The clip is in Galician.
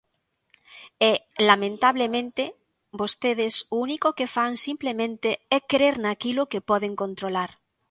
E, lamentablemente, vostedes o único que fan simplemente é crer naquilo que poden controlar.